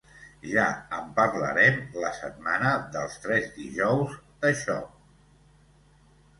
Ja en parlarem la setmana dels tres dijous, d'això!